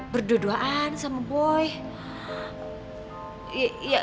berdua duaan sama boy